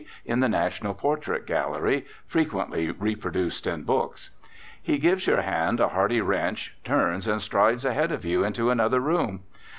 in the National Portrait Gallery, frequently reproduced in books. He gives your hand a hearty wrench, turns and strides ahead of you into another room.